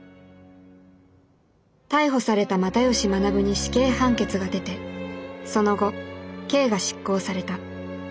逮捕された又吉学に死刑判決が出てその後刑が執行された。